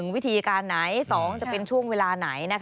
วิธีการไหน๒จะเป็นช่วงเวลาไหน